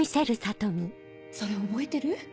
それ覚えてる？